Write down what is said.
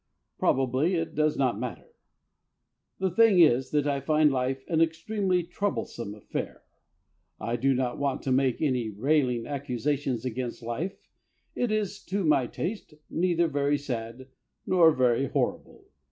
Probably it does not matter. The thing is that I find life an extremely troublesome affair. I do not want to make any railing accusations against life; it is to my taste neither very sad nor very horrible.